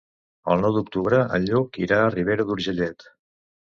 El nou d'octubre en Lluc irà a Ribera d'Urgellet.